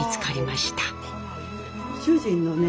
主人のね